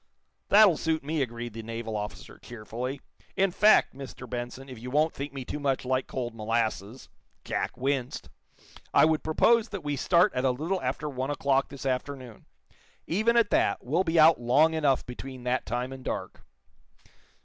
"That'll suit me," agreed the naval officer, cheerfully. "In fact, Mr. Benson, if you won't think me too much like cold molasses" Jack winced "I would propose that we start at a little after one o'clock this afternoon. Even at that, we'll be out long enough between that time and dark."